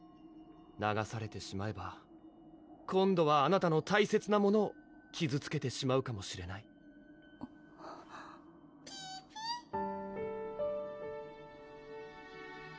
流されてしまえば今度はあなたの大切なものを傷つけてしまうかもしれないピピ